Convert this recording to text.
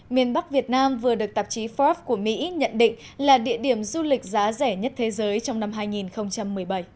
miền bắc việt nam vừa được tạp chí forbes của mỹ nhận định là địa điểm du lịch giá rẻ nhất thế giới trong năm hai nghìn một mươi bảy